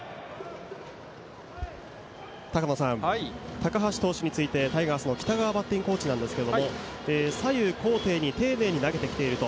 高橋投手についてタイガースの北川バッティングコーチなんですけれども、左右高低に丁寧に投げてきていると。